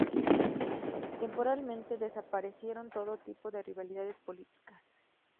Temporalmente, desaparecieron todo tipo de rivalidades políticas.